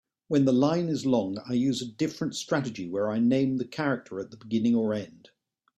When the line is long, I use a different strategy where I name the character at the beginning or end.